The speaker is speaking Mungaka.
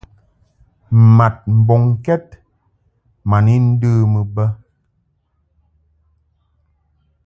Mad mbɔŋkɛd ma ni ndəmɨ bə.